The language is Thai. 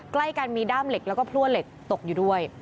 ใกล้กันมีด้ามเหล็กแล้วก็พลั่วเหล็กตกอยู่ด้วย